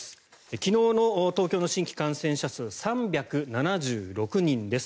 昨日の東京の新規感染者数３７６人です。